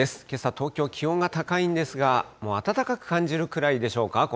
けさ、東京、気温が高いんですが、もう暖かく感じられるぐらいでしょうか？